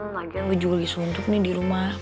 lagi kan gue juga disuntup nih di rumah